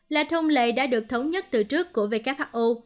là thông lệ đã được thống nhất từ trước của who